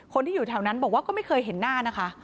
คนที่อยู่แถวนั้นบอกว่าก็ไม่เคยเห็นหน้านะคะ